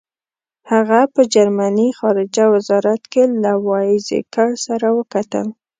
هغه په جرمني خارجه وزارت کې له وایزیکر سره وکتل.